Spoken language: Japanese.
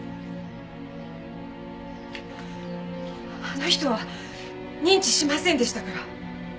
あの人は認知しませんでしたから。